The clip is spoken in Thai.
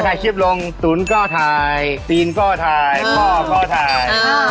ถ่ายคลิปลงตุ๋นก้อทายตีนก้อทายข้อก้อทาย